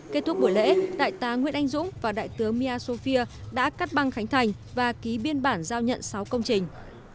kết thúc buổi lễ đại tá nguyễn anh dũng và đại tướng miasofia đã cắt băng khánh thành và ký biên bản giao nhận sáu công trình